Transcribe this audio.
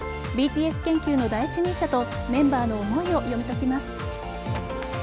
ＢＴＳ研究の第一人者とメンバーの思いを読み解きます。